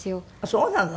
そうなの？